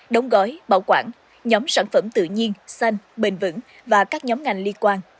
đóng gói bảo quản nhóm sản phẩm tự nhiên xanh bền vững và các nhóm ngành liên quan